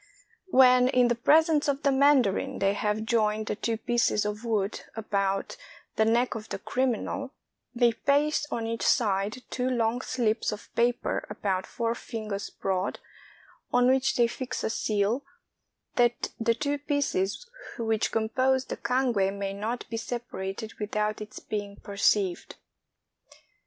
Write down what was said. When, in the presence of the mandarin, they have joined the two pieces of wood about the neck of the criminal, they paste on each side two long slips of paper about four fingers broad, on which they fix a seal, that the two pieces which compose the cangue may not be separated without its being perceived.